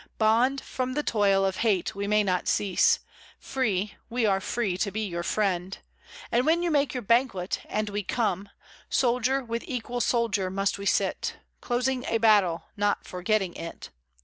Bond, from the toil of hate we may not cease: Free, we are free to be your friend. And when you make your banquet, and we come, Soldier with equal soldier must we sit, Closing a battle, not forgetting it.